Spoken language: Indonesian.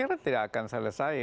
saya kira tidak akan selesai